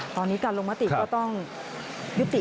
ตอนนี้การลงมติก็ต้องยุติ